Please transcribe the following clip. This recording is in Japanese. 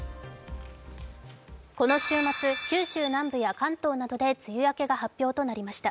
この週末、九州南部や関東などで梅雨明けが発表となりました。